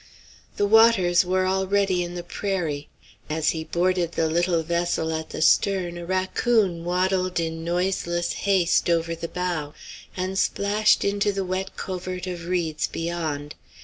The waters were already in the prairie. As he boarded the little vessel at the stern, a raccoon waddled in noiseless haste over the bow, and splashed into the wet covert of reeds beyond.